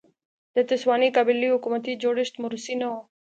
د تسوانا قبایلي حکومتي جوړښت موروثي نه و.